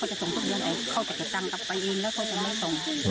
เขาจะส่งทุกเวลาไหนเขาจะเก็บตังค์กับไปอีนแล้วเขาจะไม่ส่ง